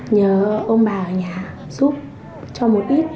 nhớ ông bà ở nhà giúp cho một ít